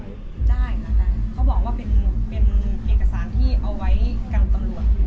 ได้ค่ะเขาบอกว่าเป็นเป็นเอกสารที่เอาไว้กับตำรวจ